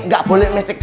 gak boleh mistik